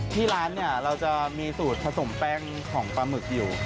ที่ร้านเนี่ยเราจะมีสูตรผสมแป้งของปลาหมึกอยู่